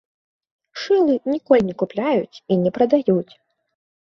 Шылы ніколі не купляюць і не прадаюць.